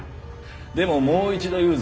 でももう一度言うぞ。